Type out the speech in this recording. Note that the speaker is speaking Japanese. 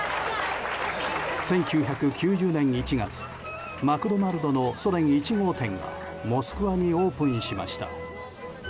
１９９０年１月マクドナルドのソ連１号店がモスクワにオープンしました。